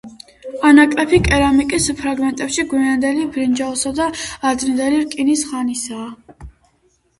ანაკრეფი კერამიკის ფრაგმენტები გვიანდელი ბრინჯაოსა და ადრინდელი რკინის ხანისაა.